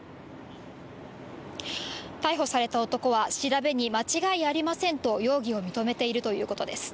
逮捕された男は、調べに、間違いありませんと、容疑を認めているということです。